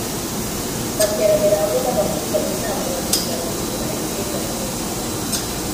Bateranira hamwe n’abakuru bajya inama, bagurira abasirikare ifeza nyinshi